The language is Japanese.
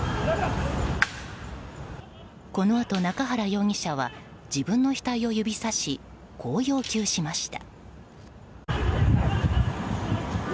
このあと、中原容疑者は自分の額を指さしこう要求しました。